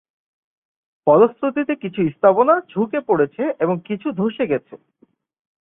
ফলশ্রুতিতে কিছু স্থাপনা ঝুঁকে পড়েছে এবং কিছু ধ্বসে গেছে।